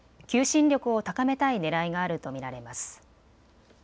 求心力を高めたいねらいがあると見られます。